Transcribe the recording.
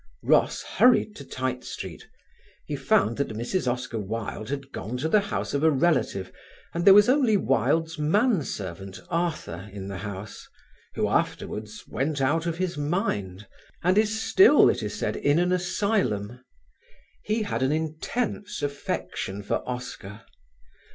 Ross hurried to Tite Street. He found that Mrs. Oscar Wilde had gone to the house of a relative and there was only Wilde's man servant, Arthur, in the house, who afterwards went out of his mind, and is still, it is said, in an asylum. He had an intense affection for Oscar.